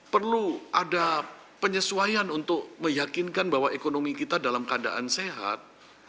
perlu ada penyesuaian untuk meyakinkan bahwa ekonomi kita dalam keadaan sehat